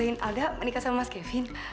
alda menikah sama mas kevin